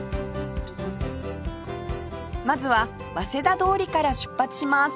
まずは早稲田通りから出発します